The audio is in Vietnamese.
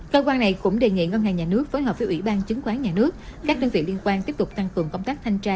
cơ quan này cũng đề nghị ngân hàng nhà nước phối hợp với ủy ban chứng khoán nhà nước các đơn vị liên quan tiếp tục tăng cường công tác thanh tra